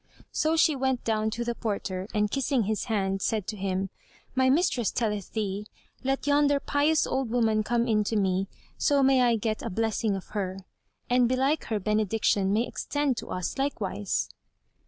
'" So she went down to the porter and kissing his hand, said to him, "My mistress telleth thee, 'Let yonder pious old woman come in to me, so may I get a blessing of her'; and belike her benediction may extend to us likewise."